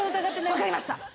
わかりました。